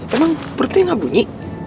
emang perutnya nggak bunyi